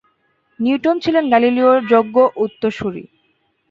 Newton ছিলেন গ্যালিওর যোগ্য উত্তসুরি।